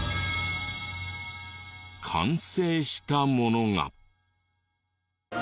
完成したものが。